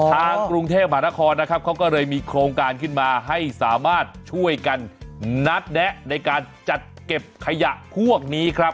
ทางกรุงเทพมหานครนะครับเขาก็เลยมีโครงการขึ้นมาให้สามารถช่วยกันนัดแนะในการจัดเก็บขยะพวกนี้ครับ